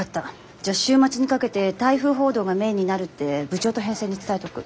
じゃあ週末にかけて台風報道がメインになるって部長と編成に伝えとく。